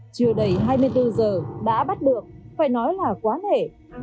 trưa đầy hai mươi bốn giờ đã bắt được phải nói là quá nể